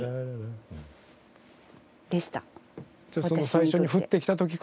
最初に降ってきた時から？